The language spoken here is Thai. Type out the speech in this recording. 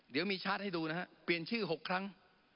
เดี๋ยวมีชาร์จให้ดูนะฮะเปลี่ยนชื่อ๖ครั้ง